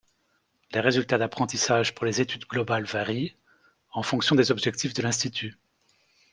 Les résultats d'apprentissage pour les études globales varient, en fonction des objectifs de l'institut.